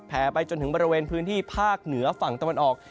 ไปจนถึงบริเวณพื้นที่ภาคเหนือฝั่งตะวันออก